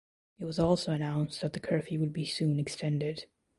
It was also announced that the curfew would be soon extended.